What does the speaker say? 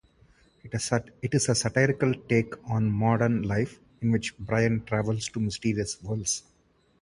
It's a satirical take on modern life in which Brian travels to mysterious worlds.